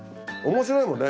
面白いもんね。